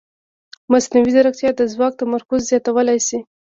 مصنوعي ځیرکتیا د ځواک تمرکز زیاتولی شي.